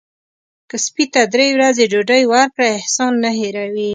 که سپي ته درې ورځې ډوډۍ ورکړه احسان نه هیروي.